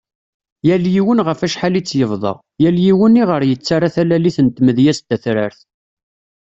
Yal yiwen ɣef acḥal i tt-yebḍa, yal yiwen i ɣer yettara talalit n tmedyazt tatrart .